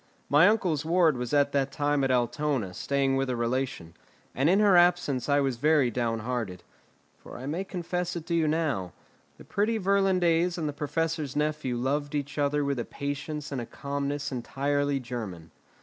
My uncle's ward was at that time at Altona, staying with a relation, and in her absence I was very downhearted; for I may confess it to you now, the pretty Virlandaise and the professor's nephew loved each other with a patience and a calmness entirely German.